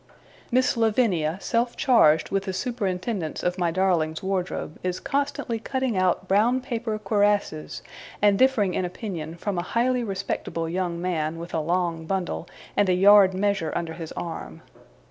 Miss Lavinia, self charged with the superintendence of my darling's wardrobe, is constantly cutting out brown paper cuirasses, and differing in opinion from a highly respectable young man, with a long bundle, and a yard measure under his arm.